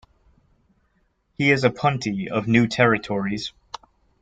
He is a Punti of New Territories.